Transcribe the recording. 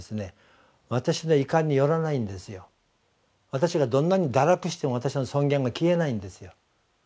私がどんなに堕落しても私の尊厳は消えないんですよ。